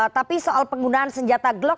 tapi soal penggunaan senjata glock